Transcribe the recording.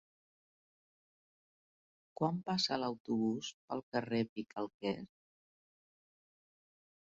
Quan passa l'autobús pel carrer Picalquers?